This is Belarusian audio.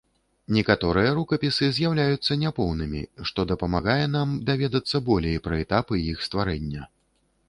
Некаторыя рукапісы з'яўляюцца няпоўнымі, што дапамагае нам даведацца болей пра этапы іх стварэння.